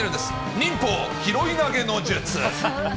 忍法、拾い投げの術。